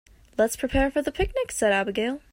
"Let's prepare for the picnic!", said Abigail.